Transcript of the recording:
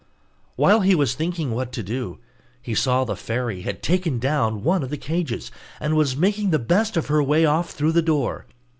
While he was thinking what to do, he saw the fairy had taken down one of the cages, and was making the best of her way off through the door.